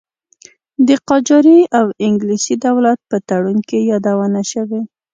د قاجاري او انګلیسي دولت په تړون کې یادونه شوې.